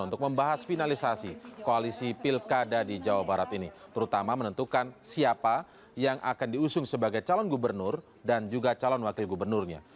untuk membahas finalisasi koalisi pilkada di jawa barat ini terutama menentukan siapa yang akan diusung sebagai calon gubernur dan juga calon wakil gubernurnya